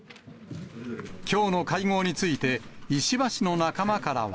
きょうの会合について、石破氏の仲間からは。